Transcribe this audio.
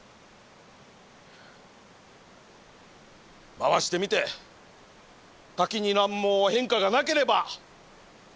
回してみて滝に何も変化がなければ諦めるんですね？